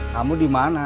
kamu di mana